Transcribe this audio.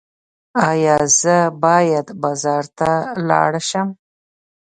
ایا زه باید بازار ته لاړ شم؟